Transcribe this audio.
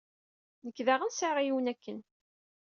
Nekk daɣen sɛiɣ yiwen akken.